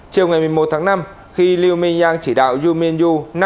chiều ngày một mươi một tháng năm khi liu mingyang chỉ đạo yu mingyu